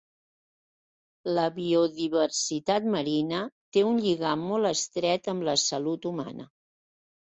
La biodiversitat marina té un lligam molt estret amb la salut humana.